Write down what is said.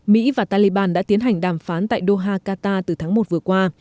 mỹ và taliban đã tiến hành đàm phán tại doha qatar từ tháng một vừa qua